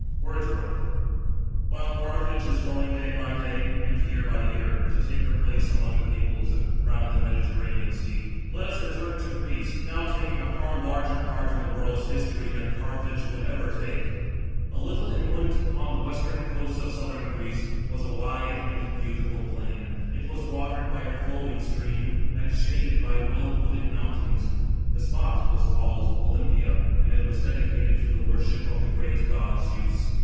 WORDSWORTH. Carthage is growing day by day, and year by year, to take her place among the peoples, round the Mediterranean Sea, let us return to Greece, now taking a far larger part in tfye world's his tory, than Carthage would ever 80 THE. OLYMPIAN RACES. [B.C. 884. A little inland, on the western coast of Souther^ Greece, was a wide and beautiful plain. It was watered by a flowing stream and shaded by well wooded mountains. The 'spot was called Olympia, and it was dedicated to the worship of the great god Zeus.